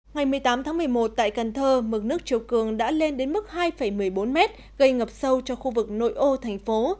ngày một mươi tám tháng một mươi một tại cần thơ mực nước chiều cường đã lên đến mức hai một mươi bốn mét gây ngập sâu cho khu vực nội ô thành phố